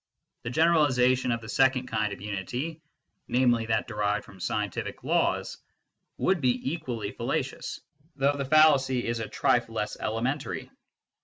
The generalisation of the second kind of unity, namely, that derived from scientific laws, would be equally fallacious, though the fallacy is a trifle less elementary.